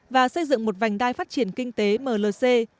và xây dựng một vành đai phát triển kinh tế mlc